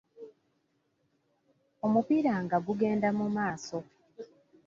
Omupiira nga gugenda mu maaso.